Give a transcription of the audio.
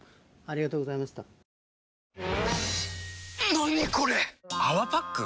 何これ⁉「泡パック」？